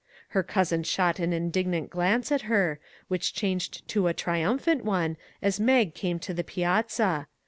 Her cousin shot an indignant glance at her, which changed to a triumphant one as Mag came to the piazza.